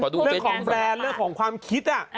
เรื่องของแบรนด์เรื่องของความคิด